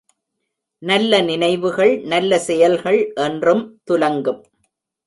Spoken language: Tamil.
நல்ல நினைவுகள், நல்ல செயல்கள் என்றும் துலங்கும்.